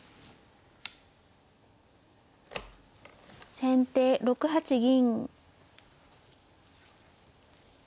先手６八銀。